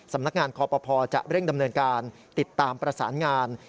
สำนักงานคอปภจะเร่งดำเนินการติดตามประสานงาน